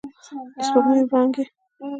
د سپوږمۍ وړانګې